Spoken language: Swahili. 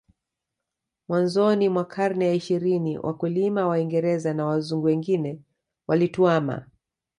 Mwanzoni mwa karne ya ishirini wakulima Waingereza na Wazungu wengine walituama